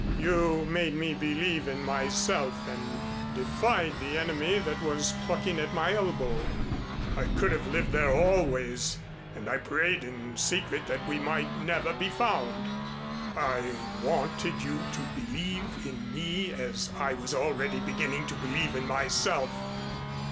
You made me believe in myself, and defied the Enemy that was plucking at my elbow. I could have lived there always and I prayed in secret that we might never be found. I wanted you to believe in me as I was already beginning to believe in myself.